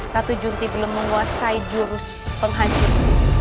ratu junti belum menguasai jurus penghasil